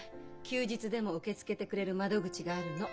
休日でも受け付けてくれる窓口があるの。